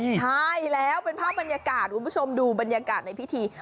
ใช่แล้วเป็นภาพบรรยากาศคุณผู้ชมดูบรรยากาศในพิธี